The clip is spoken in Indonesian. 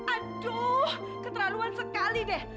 aduh keterlaluan sekali deh